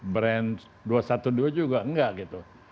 brand dua ratus dua belas juga enggak gitu